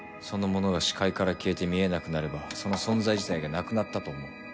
そのものが視界から消えて見えなくなればその存在自体がなくなったと思う。